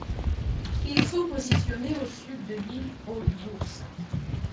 Ils sont positionnés au sud de l'Île aux Ours.